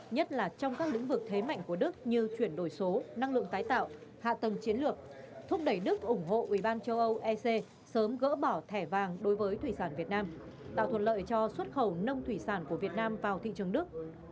nhất là trong các lĩnh vực thế mạnh của đức như chuyển đổi số năng lượng tái tạo hạ tầng chiến lược thúc đẩy đức ủng hộ ủy ban châu âu ec sớm gỡ bỏ thẻ vàng đối với thủy sản việt nam tạo thuận lợi cho xuất khẩu nông thủy sản của việt nam vào thị trường đức